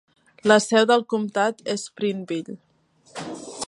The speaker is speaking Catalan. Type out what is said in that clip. La seu del comtat és Prineville.